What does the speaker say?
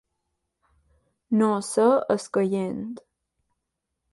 No ser escaient.